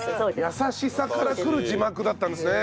優しさからくる字幕だったんですね。